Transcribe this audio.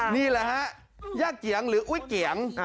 นี่แหละฮะย่าเกียงหรืออุ๊ยเกียง